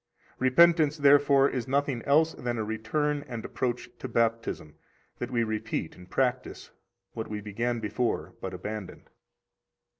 79 Repentance, therefore, is nothing else than a return and approach to Baptism, that we repeat and practise what we began before, but abandoned.